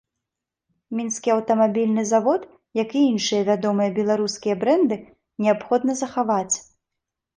Мінскі аўтамабільны завод, як і іншыя вядомыя беларускія брэнды, неабходна захаваць.